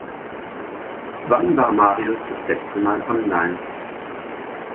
Wann war Marius das letzte Mal online?